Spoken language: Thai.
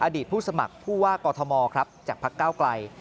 อดีตผู้สมัครผู้ว่ากอทมครับจากพักเก้าไกล